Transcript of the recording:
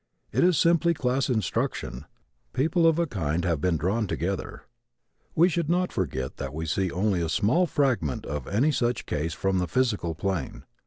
It is simply class instruction. People of a kind have been drawn together. We should not forget that we see only a small fragment of any such case from the physical plane.